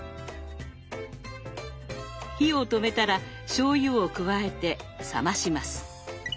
火を止めたらしょうゆを加えて冷まします。